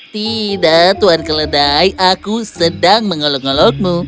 tidak tuan keledai aku sedang mengolok ngolokmu